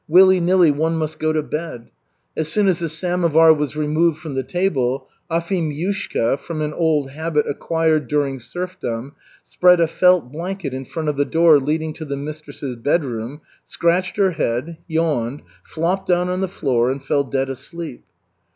Willy nilly one must go to bed. As soon as the samovar was removed from the table Afimyushka, from an old habit acquired during serfdom, spread a felt blanket in front of the door leading to the mistress's bedroom, scratched her head, yawned, flopped down on the floor, and fell dead asleep.